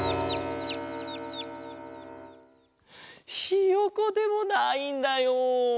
ひよこでもないんだよ。